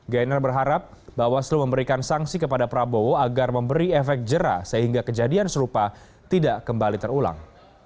gainer berharap bawaslu memberikan sanksi kepada prabowo agar memberi efek jerah sehingga kejadian serupa tidak kembali terulang